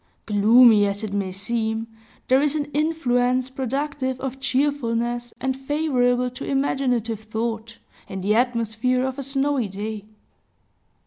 Gloomy as it may seem, there is an influence productive of cheerfulness, and favorable to imaginative thought, in the atmosphere of a snowy day.